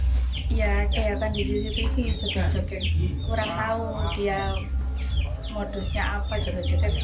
kurang tahu dia modusnya apa joget joget